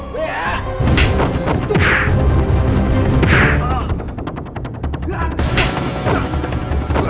aku akan menunggumu